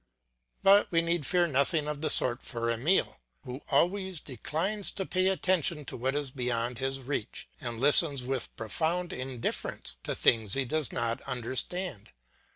But we need fear nothing of the sort for Emile, who always declines to pay attention to what is beyond his reach, and listens with profound indifference to things he does not understand.